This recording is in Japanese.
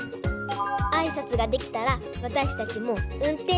あいさつができたらわたしたちもうんてんしゅ